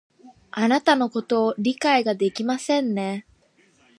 あなたのことを理解ができませんね